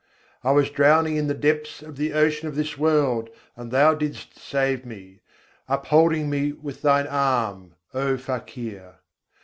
I was drowning in the deeps of the ocean of this world, and Thou didst save me: upholding me with Thine arm, O Fakir!